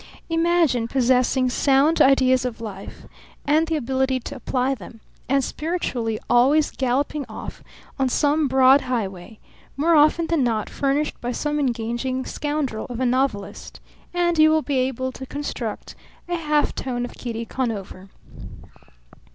Imagine possessing sound ideas of life and the ability to apply them, and spiritually always galloping off on some broad highway more often than not furnished by some engaging scoundrel of a novelist and you will be able to construct a half tone of Kitty Conover.